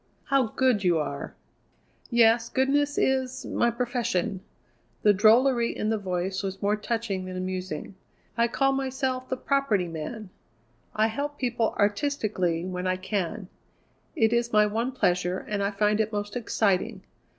"How good you are!" "Yes. Goodness is my profession." The drollery in the voice was more touching than amusing. "I call myself the Property Man. I help people artistically, when I can. It is my one pleasure, and I find it most exciting.